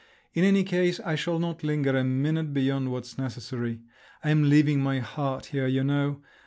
In any case I shall not linger a minute beyond what's necessary. I am leaving my heart here, you know!